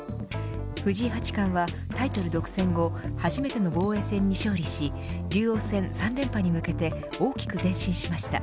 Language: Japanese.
藤井八冠はタイトル独占後初めての防衛戦に勝利し竜王戦３連覇に向けて大きく前進しました。